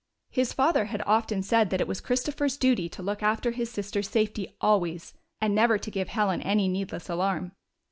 His father had often said that it was Christopher's duty to look after his sister's safety always, and never to give Helen any needless alarm.